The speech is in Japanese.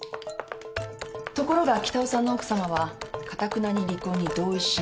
「ところが北尾さんの奥さまはかたくなに離婚に同意しない。